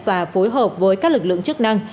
và phối hợp với các lực lượng chức năng